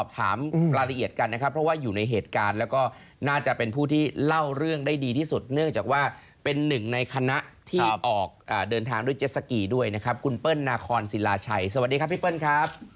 ถามรายละเอียดกันนะครับเพราะว่าอยู่ในเหตุการณ์แล้วก็น่าจะเป็นผู้ที่เล่าเรื่องได้ดีที่สุดเนื่องจากว่าเป็นหนึ่งในคณะที่ออกเดินทางด้วยเจ็ดสกีด้วยนะครับคุณเปิ้ลนาคอนศิลาชัยสวัสดีครับพี่เปิ้ลครับ